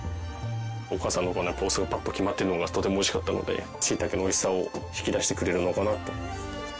お母さんのお酢がパッと決まってるのがとてもおいしかったのでしいたけのおいしさを引き出してくれるのかなと。